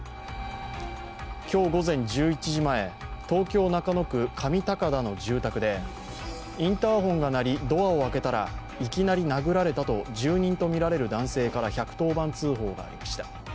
今日午前１１時前東京・中野区上高田の住宅でインターホンが鳴り、ドアを開けたらいきなり殴られたと住人とみられる男性から１１０番通報がありました。